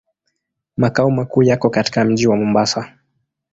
Makao makuu yako katika mji wa Mombasa.